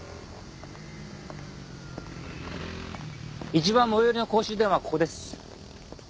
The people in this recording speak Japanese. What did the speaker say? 一番最寄りの公衆電話はここです。